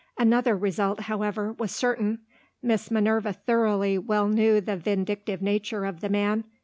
Another result, however, was certain. Miss Minerva thoroughly well knew the vindictive nature of the man.